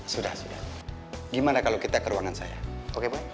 sudah sudah gimana kalau kita ke ruangan saya oke baik